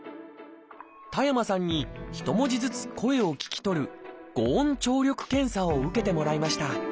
田山さんに一文字ずつ声を聞き取る「語音聴力検査」を受けてもらいました「じ」。